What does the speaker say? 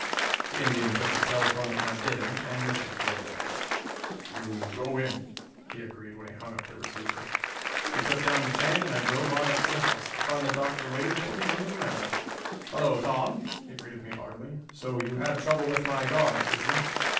The Indian took the telephone at my bidding and listened for a minute. "You go in," he agreed when he hung up the receiver. He took down the chain and I drove on up to the house, to find the Doctor waiting for me on the veranda. "Hello, Tom," he greeted me heartily. "So you had trouble with my guard, did you?"